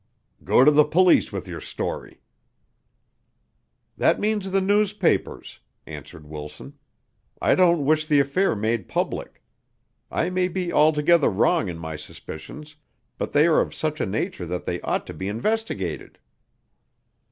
"Go to the police with your story." "That means the newspapers," answered Wilson. "I don't wish the affair made public. I may be altogether wrong in my suspicions, but they are of such a nature that they ought to be investigated."